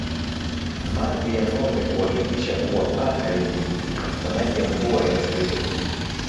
Mavi ya ngombe huhakikisha kuwa paa halivuji na maji ya mvua yasiweze kupita